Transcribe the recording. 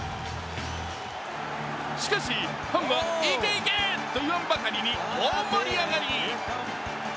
しかし、ファンはいけいけ！と言わんばかりに大盛り上がり。